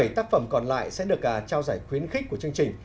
bảy tác phẩm còn lại sẽ được trao giải khuyến khích của chương trình